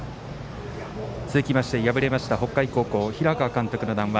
続きまして敗れました北海高校、平川監督の談話